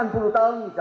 atau saya orang tua